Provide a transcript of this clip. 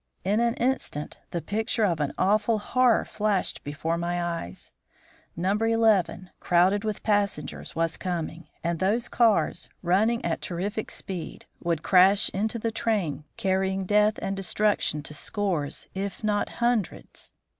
In an instant the picture of an awful horror flashed before my eyes. No. 11, crowded with passengers, was coming, and those cars, running at terrific speed, would crash into the train, carrying death and destruction to scores, if not hundreds.